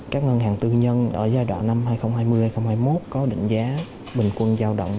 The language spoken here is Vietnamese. các ngân hàng tư nhân ở giai đoạn năm hai nghìn hai mươi hai nghìn hai mươi một có định giá bình quân giao động